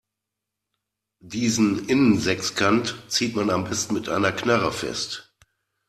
Diesen Innensechskant zieht man am besten mit einer Knarre fest.